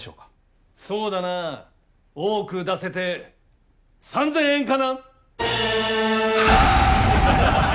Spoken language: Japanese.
そうだなあ多く出せて３，０００円かな。